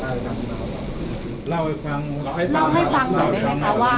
เล่าให้ฟังเล่าให้ฟังหน่อยได้ไหมคะว่า